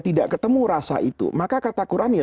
tidak ketemu rasa itu maka kata quran ya